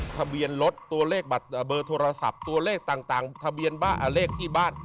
ทะเบียนรถตัวเลขเบอร์โทรศัพท์ตัวเลขต่างทะเบียนเลขที่บ้าน